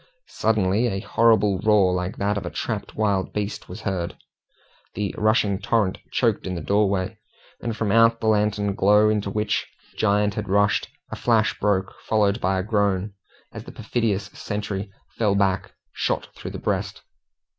Suddenly a horrible roar like that of a trapped wild beast was heard. The rushing torrent choked in the doorway, and from out the lantern glow into which the giant had rushed, a flash broke, followed by a groan, as the perfidious sentry fell back shot through the breast.